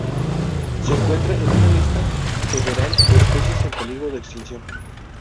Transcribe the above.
Se encuentra en una lista federal de especies en peligro de extinción.